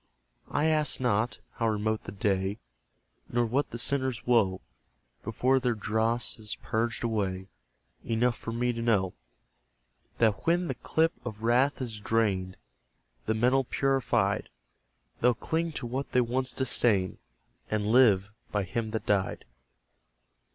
I ask not, how remote the day, Nor what the sinners' woe, Before their dross is purged away; Enough for me to know That when the cup of wrath is drained, The metal purified, They'll cling to what they once disdained, And live by Him that died.